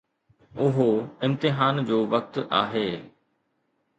اهو امتحان جو وقت آهي.